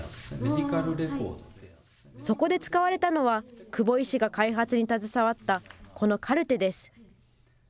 そこで使われたのは、久保医師が開発に携わったこのカルテです。